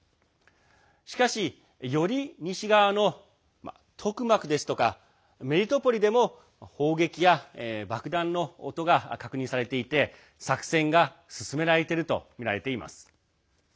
しかし、より西側のトクマクですとかメリトポリでも砲撃や爆弾の音が確認されていて作戦が進められているとみられています。